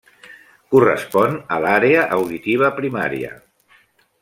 Correspon a l'àrea auditiva primària.